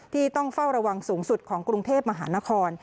ที่ต้องเฝ้าระวังสูงสุดของกรุงเทพมหานคร